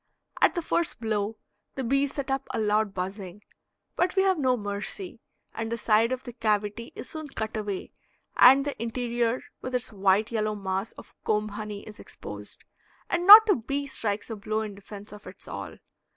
At the first blow the bees set up a loud buzzing, but we have no mercy, and the side of the cavity is soon cut away and the interior with its white yellow mass of comb honey is exposed, and not a bee strikes a blow in defense of its all.